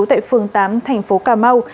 tại phường tám thành phố cà mau